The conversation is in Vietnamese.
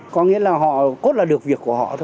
có nghĩa là họ cốt là được việc của họ thôi